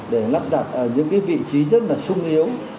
để lắp đặt ở những vị trí rất là sung yếu